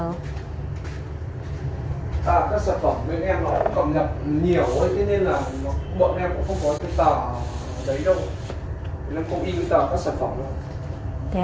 các sản phẩm bên em nó cũng còn nhập nhiều nên là bọn em cũng không có cái tờ đấy đâu